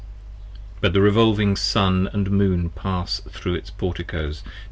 But the revolving Sun and Moon pass thro its porticoes.